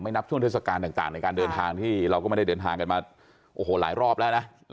ไม่นับช่วงทศการต่างในการเดินทางที่เราก็ไม่ได้เดินทางกันง่ายกันแล้วแหละ